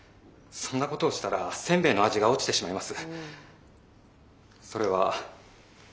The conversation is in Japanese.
そんなことをしたらせんべいの味が落ちてしまいます。